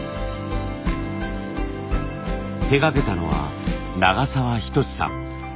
手がけたのは永澤仁さん。